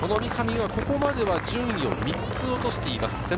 ここまでは順位を３つ落としています。